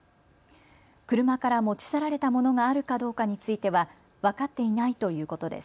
車から持ち去られたものがあるかどうかについては分かっていないということです。